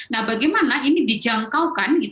nah bagaimana ini dijangkaukan